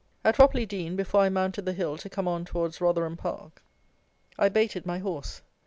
At Ropley Dean, before I mounted the hill to come on towards Rotherham Park, I baited my horse.